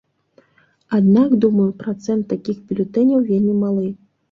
Аднак, думаю, працэнт такіх бюлетэняў вельмі малы.